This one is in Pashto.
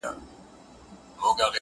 ځيني رنګــــونه پـه پېسو نه کيـږي